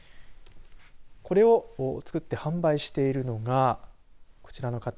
これを作って販売しているのがこちらの方。